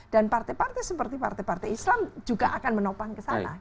dan partai partai seperti partai partai islam juga akan menopang ke sana